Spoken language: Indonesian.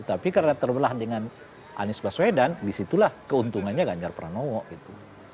tapi karena terbelah dengan anies baswedan disitulah keuntungannya ganjar pranowo gitu